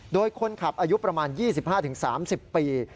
โดยคนขับอายุประมาณ๒๕๓๐ปี